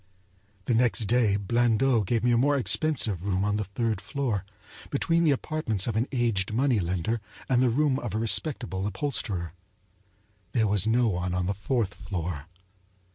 The next day Blandot gave me a more expensive room on the third floor, between the apartments of an aged money lender and the room of a respectable upholsterer. There was no one on the fourth floor.